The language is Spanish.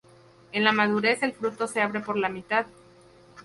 En la madurez el fruto se abre por la mitad.